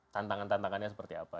tantangan tantangannya seperti apa